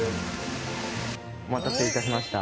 お待たせいたしました。